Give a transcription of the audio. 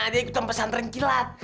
dia ikutan pesantren kilat